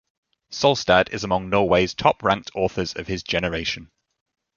Solstad is among Norway's top-ranked authors of his generation.